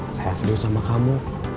saya serius sama kamu